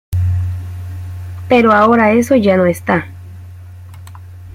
Pero ahora eso ya no está.